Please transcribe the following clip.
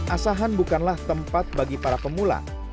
asahan bukanlah tempat bagi para pemula